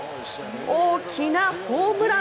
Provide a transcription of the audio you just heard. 大きなホームラン。